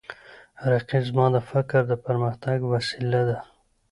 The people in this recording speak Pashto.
رقیب زما د فکر د پرمختګ وسیله ده